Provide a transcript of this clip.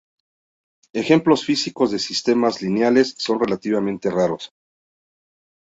Ejemplos físicos de sistemas lineales son relativamente raros.